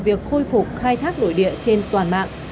việc khôi phục khai thác nội địa trên toàn mạng